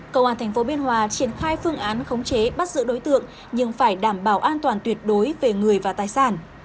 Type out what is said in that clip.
công an tp biên hòa triển khai phương án khống chế bắt giữ đối tượng nhưng phải đảm bảo an toàn tuyệt đối về người và tài sản